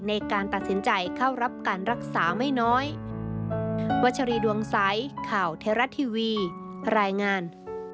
ในการตัดสินใจเข้ารับการรักษาไม่น้อย